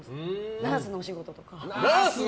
「ナースのお仕事」とか。